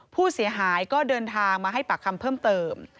ผู้เสียหายก็เดินทางมาให้ปากคำเพิ่มเติม